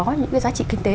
những cái giá trị kinh tế